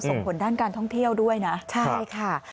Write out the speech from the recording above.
ส่งผลด้านการท่องเที่ยวด้วยนะใช่ค่ะ